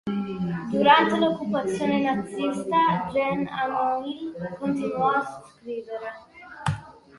Durante l'occupazione nazista Jean Anouilh continuò a scrivere.